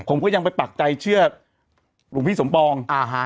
ผมก็ยังไปปักใจเชื่อหลวงพี่สมปองอ่าฮะ